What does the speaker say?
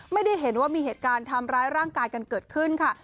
ไม่ได้เห็นว่ามีเหตุการณ์ทำร้ายร่างกายกันเกิดขึ้นค่ะ